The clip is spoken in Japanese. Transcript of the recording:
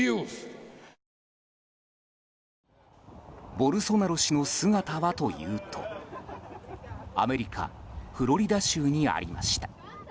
ボルソナロ氏の姿はというとアメリカ・フロリダ州にありました。